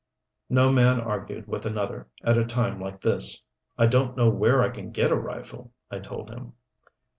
No man argued with another, at a time like this. "I don't know where I can get a rifle," I told him.